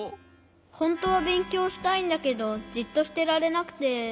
ほんとはべんきょうしたいんだけどじっとしてられなくて。